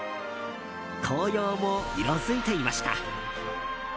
紅葉も色づいていました。